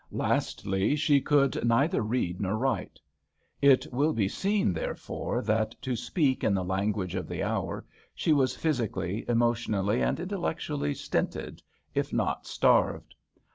Lastly, she could neither read nor write. It will be seen, therefore, that, to speak in the language of the hour, she was physically, emotionally, and intel lectually stinted, if not starved.